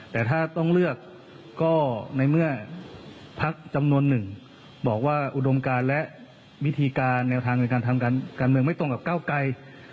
แต่ถ้าต้องเลือกก็ในเมื่อพักจำนวนหนึ่งบอกว่าอุดมการและวิธีการแนวทางในการทำการเมืองไม่ตรงกับเก้าไกร